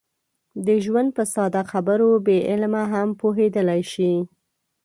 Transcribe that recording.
د ژوند په ساده خبرو بې علمه هم پوهېدلی شي.